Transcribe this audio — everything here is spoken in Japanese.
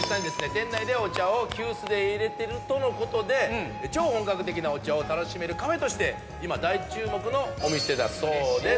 店内でお茶を急須で入れてるとのことで超本格的なお茶を楽しめるカフェとして今大注目のお店だそうです。